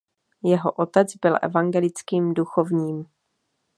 Jeho otec byl evangelickým duchovním.